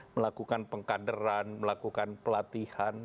melakukan pengkaderan melakukan pelatihan